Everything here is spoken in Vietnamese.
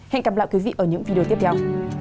hẹn gặp lại quý vị ở những video tiếp theo